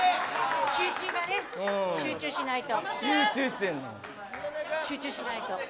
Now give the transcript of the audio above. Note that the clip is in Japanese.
集中しないと。